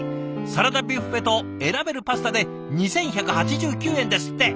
サラダビュッフェと選べるパスタで２，１８９円ですって。